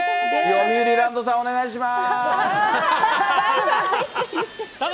よみうりランドさん、お願いしまーす！